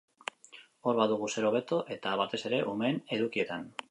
Hor badugu zer hobetu, eta, batez ere, umeen edukietan.